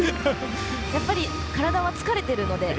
やっぱり、体は疲れてるので。